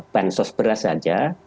bansos beras saja